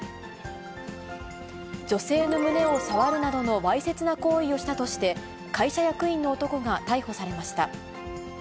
女性の胸を触るなどのわいせつな行為をしたとして、会社役員の男が逮捕されました。